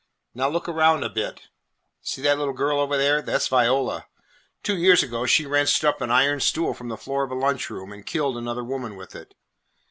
"Now look around a bit. See that little girl over there? That 's Viola. Two years ago she wrenched up an iron stool from the floor of a lunch room, and killed another woman with it.